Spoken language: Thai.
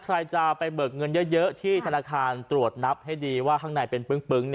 ใครจะไปเบิกเงินเยอะที่ธนาคารตรวจนับให้ดีว่าข้างในเป็นปึ้ง